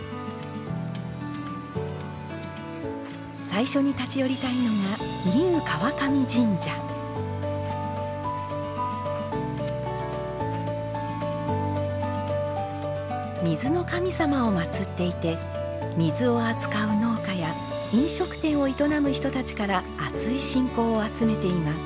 最初に立ち寄りたいのが水の神様をまつっていて水を扱う農家や飲食店を営む人たちからあつい信仰を集めています。